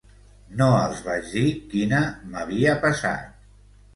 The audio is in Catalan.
No els vaig dir quina m'havia passat.